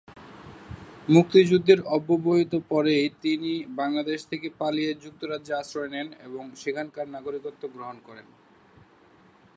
মুক্তিযুদ্ধের অব্যবহিত পরেই তিনি বাংলাদেশ থেকে পালিয়ে যুক্তরাজ্যে আশ্রয় নেন এবং সেখানকার নাগরিকত্ব গ্রহণ করেন।